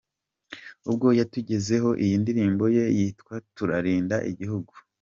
Ubwo yatugezagaho iyi ndirimbo ye yitwa “Tuzarinda igihugu”, Senderi yatangarije Inyarwanda.